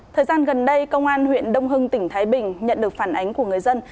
thời gian gần đây công an huyện đông hưng tỉnh thái bình nhận được phản ánh của người dân